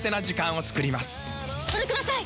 それください！